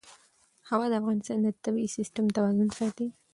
هوا د افغانستان د طبعي سیسټم توازن ساتي.